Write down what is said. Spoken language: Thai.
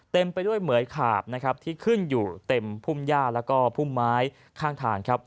เต็มไปด้วยเหมือยขาบที่ขึ้นอยู่เต็มพุ่มหญ้าและพุ่มไม้ข้างฐาน